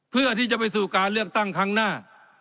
เพื่อที่จะไปสู่การเลือกตั้งครั้งหน้า